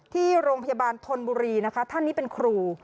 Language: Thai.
ที่โรงพยาบาลธนบุรีนะคะท่านนี้เป็นครู